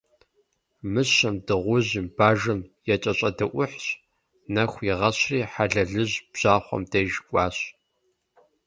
Мыщэм, Дыгъужьым, Бажэм якӀэщӀэдэӀухьщ, нэху игъэщри, Хьэлэлыжь бжьахъуэм деж кӀуащ.